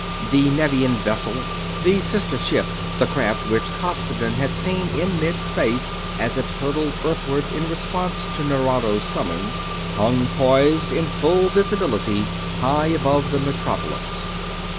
The Nevian vessel the sister ship, the craft which Costigan had seen in mid space as it hurtled Earthward in response to Nerado's summons hung poised in full visibility high above the metropolis.